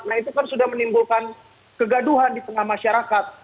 nah itu kan sudah menimbulkan kegaduhan di tengah masyarakat